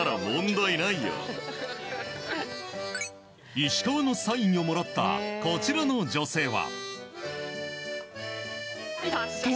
石川のサインをもらったこちらの女性は。